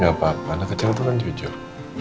gak apa apa anak kecil itu kan jujur